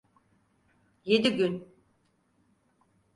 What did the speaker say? Yedi gün.